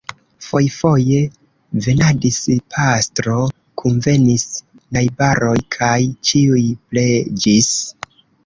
Fojfoje venadis pastro, kunvenis najbaroj kaj ĉiuj preĝis.